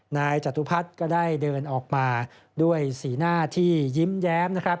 นายจตุพัทธ์ได้เดินออกมาด้วยสีหน้าที่ยิ้มแย้ม